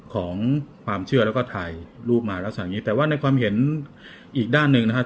ของความเชื่อแล้วก็ถ่ายรูปมาลักษณะอย่างนี้แต่ว่าในความเห็นอีกด้านหนึ่งนะครับ